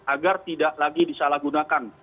agar tidak lagi disalahgunakan